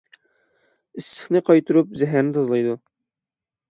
ئىسسىقنى قايتۇرۇپ زەھەرنى تازىلايدۇ.